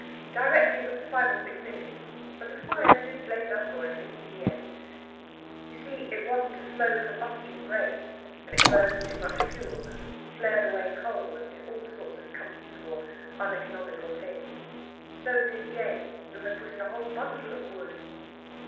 Directly was five or six minutes, but the fire did blaze up royally in the end. You see, it wasn't a slow combustion grate, and it burned too much fuel, and flared away the coal, and did all sorts of comfortable, uneconomical things. So did Jane, who had put in a whole bundle of wood.